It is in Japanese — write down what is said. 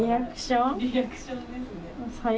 リアクションですね。